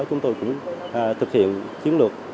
chúng tôi cũng thực hiện chiến lược